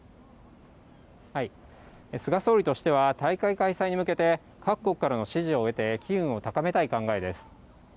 菅総理としては、大会開催に向けて、各国からの支持を得て機運を高めたい考えです。